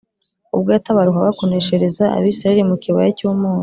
ubwo yatabarukaga kuneshereza Abasiriya mu kibaya cy’umunyu.